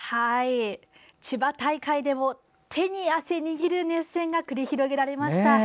千葉大会でも手に汗握る熱戦が繰り広げられました。